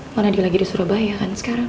karena dia lagi di surabaya kan sekarang